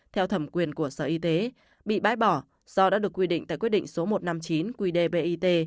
theo thẩm quyền của sở y tế bị bãi bỏ do đã được quy định tại quy định số một trăm năm mươi chín qdb it